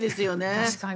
確かに。